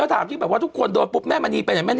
แล้วถามที่แบบว่าทุกคนโดนปุ๊บแม่มะนีไป